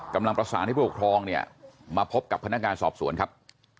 กำลังประสานให้ผู้ปกครองเนี่ยมาพบกับพนักงานสอบสวนครับ